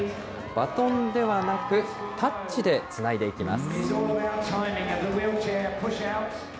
バトンではなくタッチでつないでいきます。